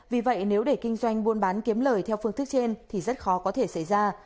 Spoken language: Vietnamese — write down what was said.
vì vậy nếu để kinh doanh buôn bán kiếm lời theo phương thức trên thì rất khó có thể xảy ra